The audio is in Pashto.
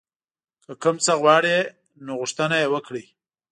که کوم څه غواړئ نو غوښتنه یې وکړئ.